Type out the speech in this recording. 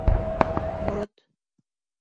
Морат